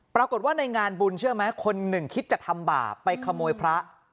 ปรากฏว่าในงานบุญเชื่อไหมคนหนึ่งคิดจะทำบาปไปขโมยพระ